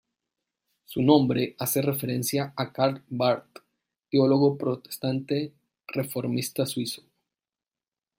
Su nombre hace referencia a Karl Barth, teólogo protestante reformista suizo.